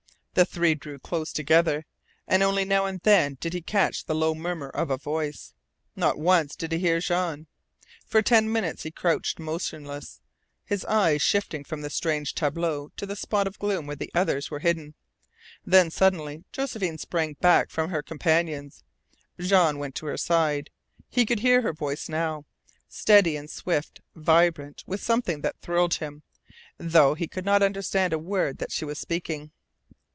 The three drew close together, and only now and then did he catch the low murmur of a voice. Not once did he hear Jean. For ten minutes he crouched motionless, his eyes shifting from the strange tableau to the spot of gloom where the others were hidden. Then, suddenly, Josephine sprang back from her companions. Jean went to her side. He could hear her voice now, steady and swift vibrant with something that thrilled him, though he could not understand a word that she was speaking.